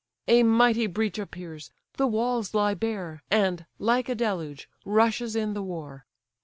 A mighty breach appears; the walls lie bare; And, like a deluge, rushes in the war.